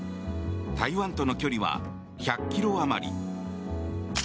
台湾との距離は１００ｋｍあまり。